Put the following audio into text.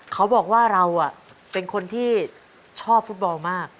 เขาบอกว่าเราเป็นคนที่ชอบฟุตบอลมาก